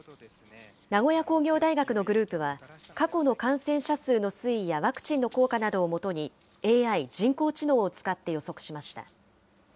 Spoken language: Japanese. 名古屋工業大学のグループは、過去の感染者数の推移やワクチンの効果などを基に、ＡＩ・人工知能を使って予測しました。